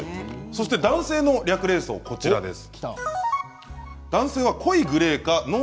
そして男性の略礼装です。